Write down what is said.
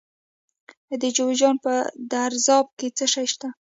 د جوزجان په درزاب کې څه شی شته؟